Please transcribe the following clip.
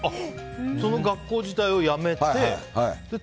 その学校自体をやめて？